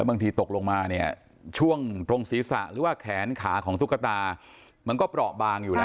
บางทีตกลงมาเนี่ยช่วงตรงศีรษะหรือว่าแขนขาของตุ๊กตามันก็เปราะบางอยู่นะ